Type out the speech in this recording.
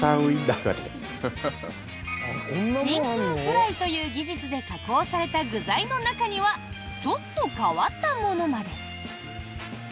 真空フライという技術で加工された具材の中にはちょっと変わったものまで。